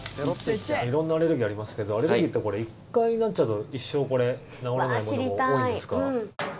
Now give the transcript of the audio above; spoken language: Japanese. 色んなアレルギーがありますけどアレルギーって１回なっちゃうと一生治らないものが多いんですか？